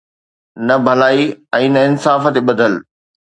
نه ڀلائي ۽ نه انصاف تي ٻڌل.